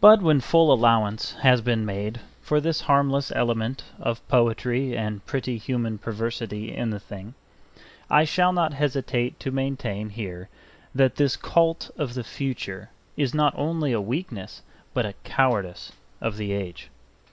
But when full allowance has been made for this harmless element of poetry and pretty human perversity in the thing, I shall not hesitate to maintain here that this cult of the future is not only a weakness but a cowardice of the age.